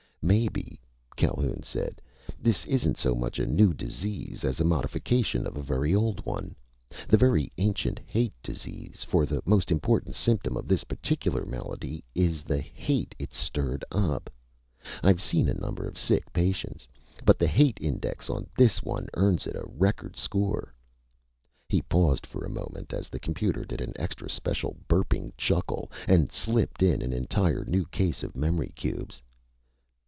"Maybe," Calhoun said, "this isn't so much a new disease as a modification of a very old one. The very ancient Hate Disease for the most important symptom of this particular malady is the hate it's stirred up. I've seen a number of sick planets but the hate index on this one earns it a record score." He paused for a moment as the computer did an extra special burping chuckle, and slipped in an entire new case of memory cubes.